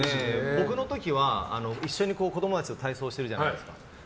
僕の時は一緒に子供たちと体操しているじゃないですか。